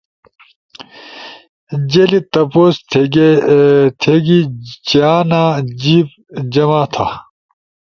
جیلی تپوس تھیگی چیانا جیِب جمع تھا۔